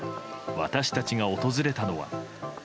私たちが訪れたのは。